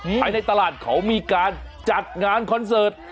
ภายในตลาดเขามีการจัดงานคอนเสิร์ต